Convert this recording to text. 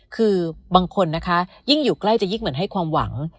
คือบางคนนะคะยิ่งอยู่ใกล้จะยิ่งเหมือนให้ความหวัง